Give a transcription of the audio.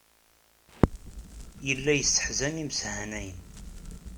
Yella yesseḥzan imeshanayen.